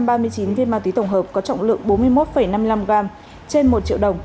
bốn trăm ba mươi chín viên ma túy tổng hợp có trọng lượng bốn mươi một năm mươi năm gram trên một triệu đồng